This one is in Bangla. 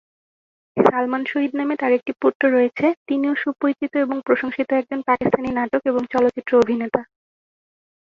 সালমান শহীদ নামে তাঁর একটি পুত্র রয়েছে, তিনিও সুপরিচিত এবং প্রশংসিত একজন পাকিস্তানি নাটক ও চলচ্চিত্র অভিনেতা।